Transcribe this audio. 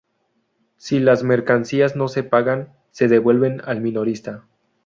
Si las mercancías no se pagan, se devuelven al minorista.